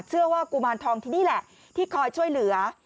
กุมารทองที่นี่แหละที่คอยช่วยเหลือ